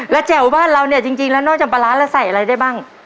แล้วแจ๋วบ้านเราเนี่ยจริงแล้วนอกจากปลาร้าแล้วใส่อะไรได้บ้าง